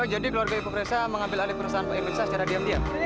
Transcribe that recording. jadi keluarga ibu fresa mengambil alih perusahaan pak ibu fresa secara diam diam